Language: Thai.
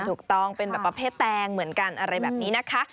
ถูกต้องเป็นแบบประเภทแตงเหมือนกันอะไรแบบนี้นะคะ